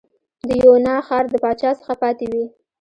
د یونا ښار د پاچا څخه پاتې وې.